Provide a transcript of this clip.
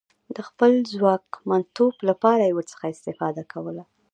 د خپل ځواکمنتوب لپاره یې ورڅخه استفاده کوله.